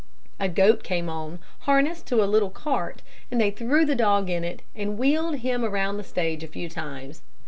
A goat came on, harnessed to a little cart, and they threw the dog in it, and wheeled him around the stage a few times.